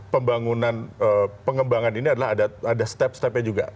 pembangunan pengembangan ini adalah ada step stepnya juga